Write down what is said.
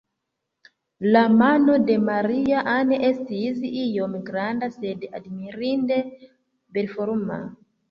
La mano de Maria-Ann estis iom granda, sed admirinde belforma.